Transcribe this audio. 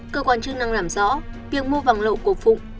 cơ quan chức năng làm rõ việc mua vàng lậu của phụng